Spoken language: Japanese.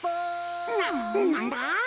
ななんだ？